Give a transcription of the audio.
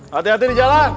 hati hati di jalan